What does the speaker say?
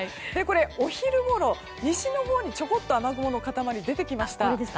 お昼ごろ、西のほうにちょこっと雨雲の塊が出てきました。